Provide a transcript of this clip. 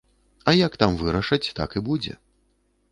А як там вырашаць, так і будзе.